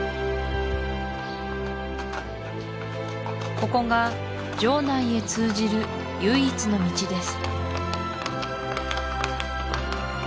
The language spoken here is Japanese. ここが城内へ通じる唯一の道です